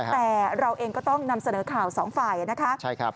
แต่เราเองก็ต้องนำเสนอข่าวสองฝ่ายนะคะ